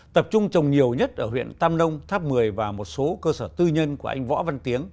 tập trung trồng nhiều nhất ở huyện tam nông tháp một mươi và một số cơ sở tư nhân của anh võ văn tiếng